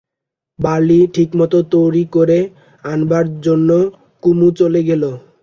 Barley ঠিকমত তৈরি করে আনবার জন্যে কুমু চলে গেল।